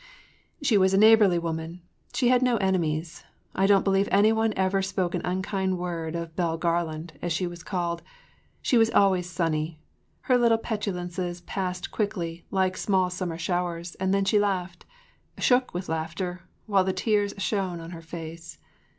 She was a neighborly woman. She had no enemies. I don’t believe any one ever spoke an unkind word of Belle Garland as she was called—she was always sunny—her little petulances passed quickly like small summer showers and then she laughed—shook with laughter while the tears shone on her face.